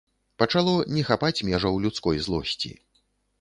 Пачало не хапаць межаў людской злосці.